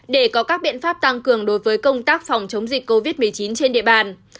để có các biện pháp tăng cường đối với công tác phòng chống dịch covid một mươi chín trên địa bàn